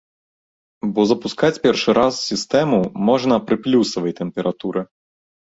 Бо запускаць першы раз сістэму можна пры плюсавай тэмпературы.